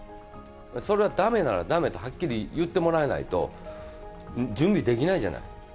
それがだめならだめとはっきり言ってもらわないと、準備できないじゃない。